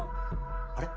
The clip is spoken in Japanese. あれ？